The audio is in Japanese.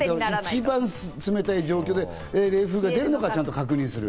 一番冷たい状況で冷風が出るのか確認する。